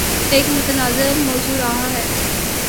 ایک متنازعہ موضوع رہا ہے